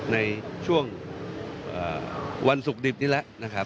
ในช่วงวันสุขดิบนี้แหละนะครับ